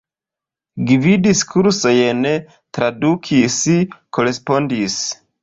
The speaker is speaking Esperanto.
Gvidis kursojn, tradukis, korespondis.